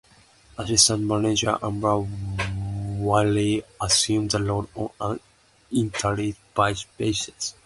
Assistant manager Amber Whiteley assumed the role on an interim basis.